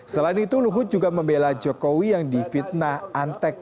selain itu luhut juga membela jokowi yang difitnah antek pki dan antek asi